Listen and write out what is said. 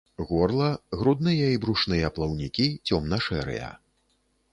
Горла, грудныя і брушныя плаўнікі цёмна-шэрыя.